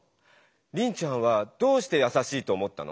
リンちゃんはどうしてやさしいと思ったの？